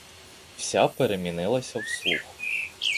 Вся перемінилася в слух.